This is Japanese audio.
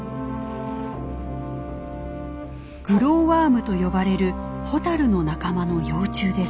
グローワームと呼ばれるホタルの仲間の幼虫です。